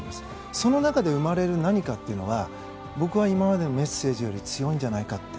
その中で生まれる何かというのは僕は今までのメッセージより強いんじゃないかと。